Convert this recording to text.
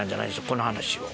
この話を。